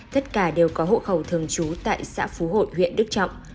tất cả đều có hộ khẩu thường trú tại xã phú hội huyện đức trọng